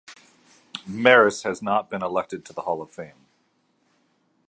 Maris has not been elected to the Hall of Fame.